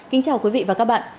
kính chào quý vị và các bạn